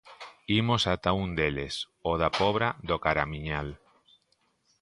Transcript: Imos ata un deles: o da Pobra do Caramiñal.